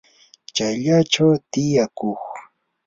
chayllachaw tiyakuy.